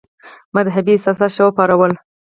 مدهبي احساسات ښه وپارول.